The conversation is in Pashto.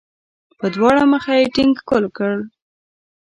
په دواړه مخه یې ټینګ ښکل کړ.